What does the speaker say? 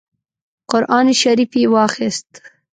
قران شریف یې واخیست.